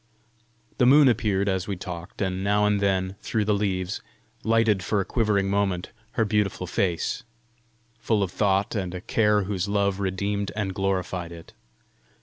The moon appeared as we talked, and now and then, through the leaves, lighted for a quivering moment her beautiful face full of thought, and a care whose love redeemed and glorified it.